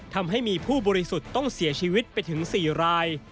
ทำให้มีผู้บริสุทธิ์ต้องเสียชีวิตไปถึง๔ราย